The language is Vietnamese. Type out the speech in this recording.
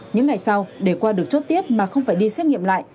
những ngày sau để qua được chốt tiếp mà không phải đi xét nghiệm lại